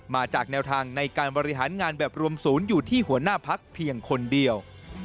มาจากแนวทางในการบริหารงานแบบรวมศูนย์อยู่ที่หัวหน้าพักเพียงคนเดียว